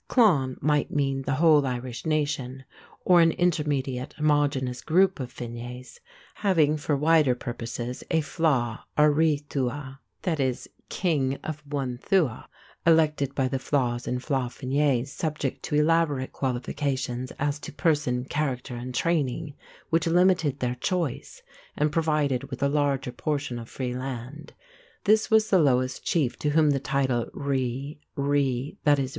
Clann might mean the whole Irish nation, or an intermediate homogeneous group of fines having for wider purposes a flaith or ri tuatha = king of one tuath, elected by the flaiths and flaithfines, subject to elaborate qualifications as to person, character, and training, which limited their choice, and provided with a larger portion of free land. This was the lowest chief to whom the title ri, righ (both pr.